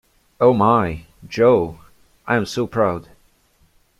O my, Jo, I am so proud!